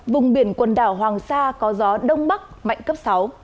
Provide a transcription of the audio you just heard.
vùng biển quần đảo hoàng sa có gió đông bắc mạnh cấp sáu